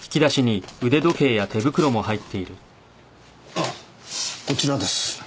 あっこちらです。